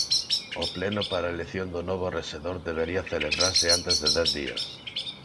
O pleno para a elección do novo rexedor debería celebrarse antes de dez días.